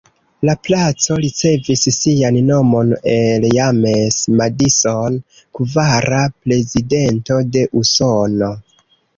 La placo ricevis sian nomon el James Madison, kvara Prezidento de Usono.